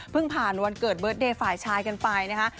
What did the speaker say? เพิ่งผ่านวันเกิดเฟ้ยไฟฉายกันไปนะฮะ